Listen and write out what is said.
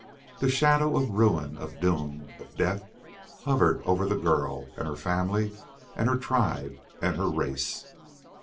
The shadow of ruin, of doom, of death hovered over the girl and her family and her tribe and her race.